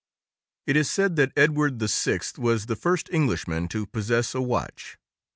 It is said that Edward VI was the first Englishman to possess a watch.